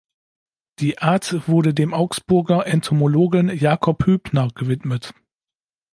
Die Art wurde dem Augsburger Entomologen Jacob Hübner gewidmet.